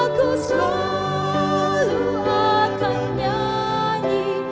aku selalu akan nyanyi